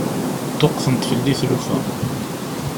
Ṭṭuqqtent fell-i tlufa.